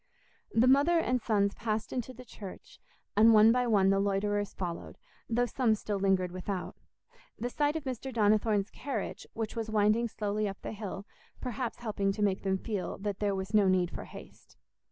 The mother and sons passed into the church, and one by one the loiterers followed, though some still lingered without; the sight of Mr. Donnithorne's carriage, which was winding slowly up the hill, perhaps helping to make them feel that there was no need for haste.